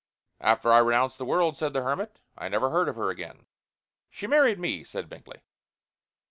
"After I renounced the world," said the hermit, "I never heard of her again." "She married me," said Binkley.